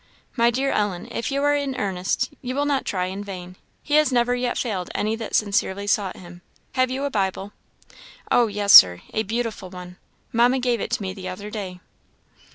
"My dear Ellen, if you are in earnest, you will not try in vain. He never yet failed any that sincerely sought him. Have you a Bible?" "Oh yes Sir! a beautiful one; Mamma gave it to me the other day."